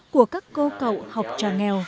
của các cô cậu học trò nghèo